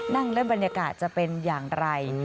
นั่งแล้วบรรยากาศจะเป็นอย่างไร